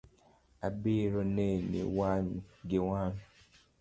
Abiro neni wang’ gi wang’